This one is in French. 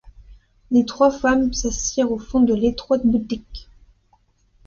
Les trois femmes s’assirent au fond de l’étroite boutique.